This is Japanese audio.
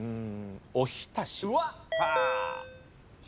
おひたし。